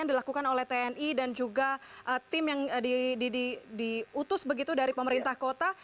yang dilakukan oleh tni dan juga tim yang diutus begitu dari pemerintah kota